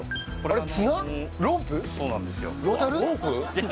あれ。